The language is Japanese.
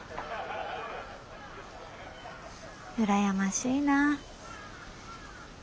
羨ましいな。